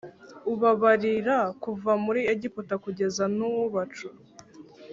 ububabarira kuva muri Egiputa kugeza n’ubacu